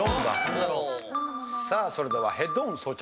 さあそれではヘッドホン装着。